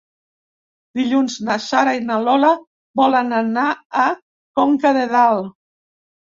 Dilluns na Sara i na Lola volen anar a Conca de Dalt.